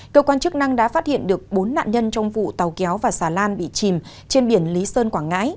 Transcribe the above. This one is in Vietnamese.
cơ quan chức năng đã phát hiện được bốn nạn nhân trong vụ tàu kéo và xà lan bị chìm trên biển lý sơn quảng ngãi